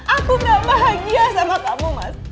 aku gak bahagia sama kamu mas